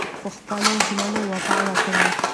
پخپلو ژمنو وفا وکړئ.